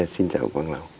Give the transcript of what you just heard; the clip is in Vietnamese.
xin chào quý vị và các bạn